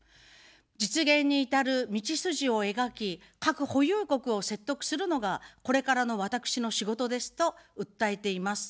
実現に至る道筋を描き、核保有国を説得するのがこれからの私の仕事ですと訴えています。